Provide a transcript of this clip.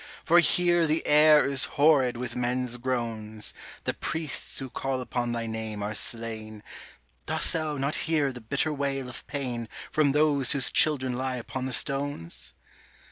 For here the air is horrid with men's groans, The priests who call upon Thy name are slain, Dost Thou not hear the bitter wail of pain From those whose children lie upon the stones?